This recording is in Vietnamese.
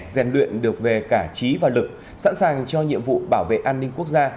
rèn luyện được về cả trí và lực sẵn sàng cho nhiệm vụ bảo vệ an ninh quốc gia